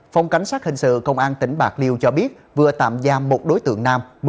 phòng cảnh sát hình sự công an tỉnh bạc liêu cho biết vừa tạm giam một đối tượng nam